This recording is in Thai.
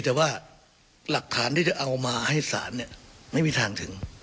แต่ว่าหลักฐานที่จะเอามาให้ศาลเนี่ยไม่มีทางถึง